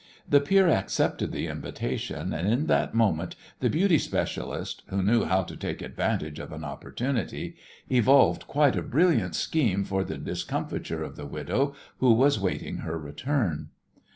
The peer accepted the invitation, and in that moment the "beauty specialist," who knew how to take advantage of an opportunity, evolved quite a brilliant scheme for the discomfiture of the widow who was waiting her return.